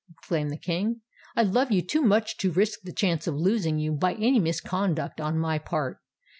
exclaimed the King: "I love you too much to risk the chance of losing you by any misconduct on my part.